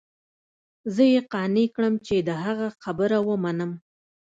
زه يې قانع كړم چې د هغه خبره ومنم.